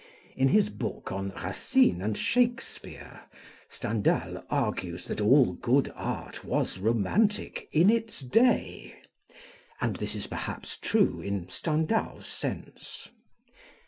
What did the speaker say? In his book on Racine and Shakespeare, Stendhal argues that all good art was romantic in its day; and this is perhaps true in Stendhal's sense.